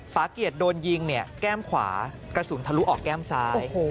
ปรากฏโดนยิงแก้มขวากระสุนทะลุออกแก้มซ้าย